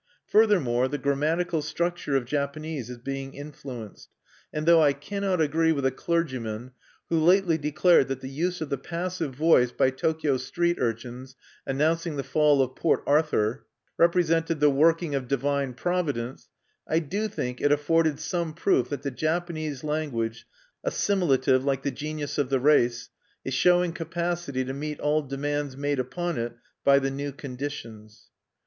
Furthermore, the grammatical structure of Japanese is being influenced; and though I cannot agree with a clergyman who lately declared that the use of the passive voice by Tokyo street urchins announcing the fall of Port Arthur ("Ryojunko ga senryo sera reta!") represented the working of "divine providence," I do think it afforded some proof that the Japanese language, assimilative like the genius of the race, is showing capacity to meet all demands made upon it by the new conditions.